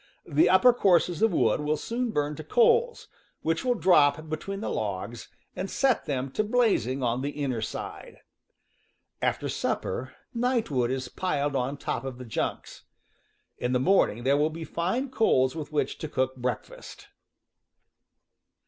The upper courses of wood will soon burn to coals, which will drop between the logs and set them to blazing on the inner side. After supper, night wood is piled on top of the junks. In the morning there will be fine coals with which to cook breakfast.